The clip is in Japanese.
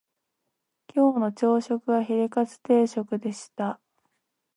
今日の朝食はヒレカツ定食でした